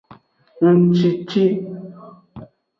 Ngshishi.